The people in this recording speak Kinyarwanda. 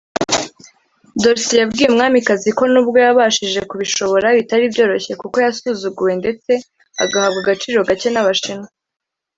D’Orsi yabwiye umwamikazi ko nubwo yabashije kubishobora bitari byoroshye kuko yasuzuguwe ndetse agahabwa agaciro gake n’Abashinwa